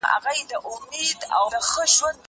زه له سهاره د کتابتون د کار مرسته کوم!.